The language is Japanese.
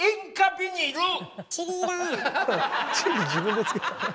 自分で付けた。